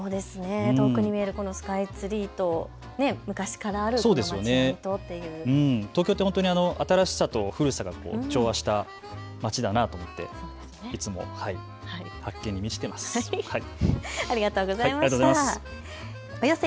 遠くに見えるスカイツリーと昔からあるこの町とっていう東京って本当に新しさと古さが調和した街だなと思っていつも発見に満ちてます。